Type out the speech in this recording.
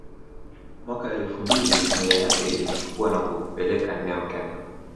Mwaka elfu mbili familia yake ilimchukua na kumpeleka Neo camp